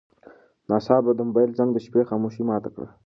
ناڅاپه د موبایل زنګ د شپې خاموشي ماته کړه.